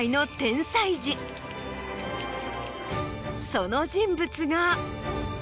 その人物が。